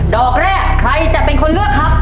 ดอกแรกใครจะเป็นคนเลือกครับ